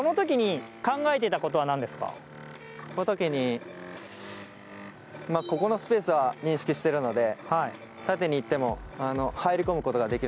この時に、ここのスペースは認識しているので。